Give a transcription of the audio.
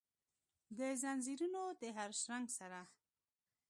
دځنځیرونو د هرشرنګ سره،